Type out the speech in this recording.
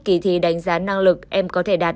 kỳ thi đánh giá năng lực em có thể đạt